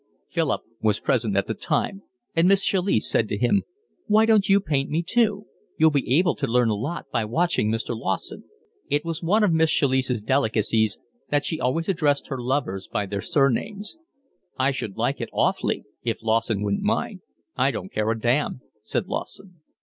Philip was present at the time, and Miss Chalice said to him: "Why don't you paint me too? You'll be able to learn a lot by watching Mr. Lawson." It was one of Miss Chalice's delicacies that she always addressed her lovers by their surnames. "I should like it awfully if Lawson wouldn't mind." "I don't care a damn," said Lawson.